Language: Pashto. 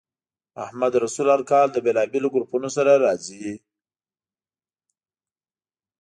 محمدرسول هر کال له بېلابېلو ګروپونو سره راځي.